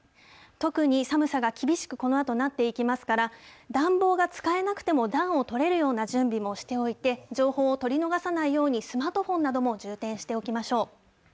特に寒さが厳しくこのあとなっていきますから、暖房が使えなくても、暖をとれるような準備もしておいて、情報を取り逃さないように、スマートフォンなども充電しておきましょう。